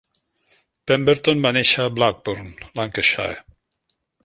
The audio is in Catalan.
Pemberton va néixer a Blackburn, Lancashire.